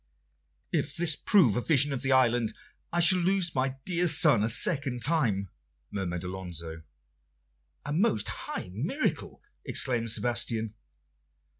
"If this prove a vision of the island, I shall lose my dear son a second time," murmured Alonso. "A most high miracle!" exclaimed Sebastian.